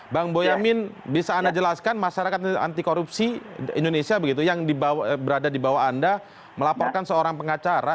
bang boyamin bisa anda jelaskan masyarakat anti korupsi indonesia begitu yang berada di bawah anda melaporkan seorang pengacara